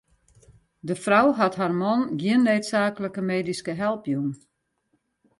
De frou hat har man gjin needsaaklike medyske help jûn.